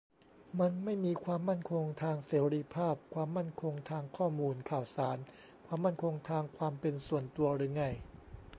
มันไม่มี ความมั่นคงทางเสรีภาพ ความมั่นคงทางข้อมูลข่าวสาร ความมั่นคงทางความเป็นส่วนตัว หรือไง ?